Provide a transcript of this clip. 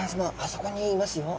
そこにいますよ。